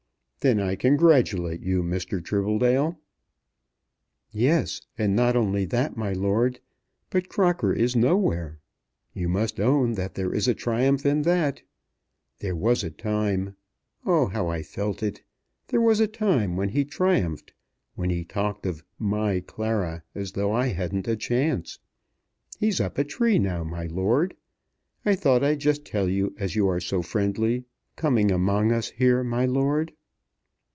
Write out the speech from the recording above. "Then I may congratulate you, Mr. Tribbledale." "Yes; and not only that, my lord. But Crocker is nowhere. You must own that there is a triumph in that. There was a time! Oh! how I felt it. There was a time when he triumphed; when he talked of 'my Clara,' as though I hadn't a chance. He's up a tree now, my lord. I thought I'd just tell you as you are so friendly, coming among us, here, my lord!"